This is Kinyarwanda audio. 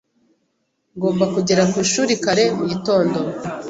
Ngomba kugera ku ishuri kare mu gitondo.